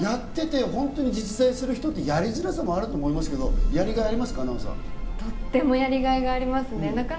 やってて実在する人ってやりづらさもあると思うんですけれど、とってもやりがいがありますね。